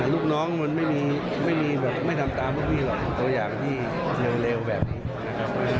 ลูกน้องมันไม่มีไม่ทำตามพวกพี่หรอกตัวอย่างที่เหลือเลวแบบนี้